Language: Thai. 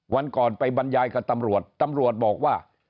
วันก่อนไปบรรยายกับตำรวจตำรวจบอกว่า